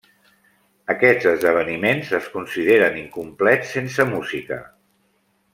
Aquests esdeveniments es consideren incomplets sense música.